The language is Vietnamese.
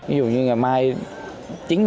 ví dụ như ngày mai